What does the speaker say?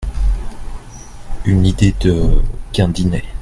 Une idée de Gindinet…